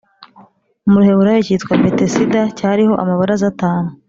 mu Ruheburayo cyitwa Betesida, cyariho amabaraza atanu